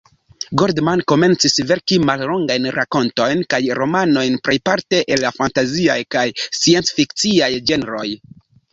Goldman komencis verki mallongajn rakontojn kaj romanojn, plejparte el la fantaziaj kaj sciencfikciaj ĝenroj.